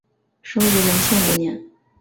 生于隆庆五年。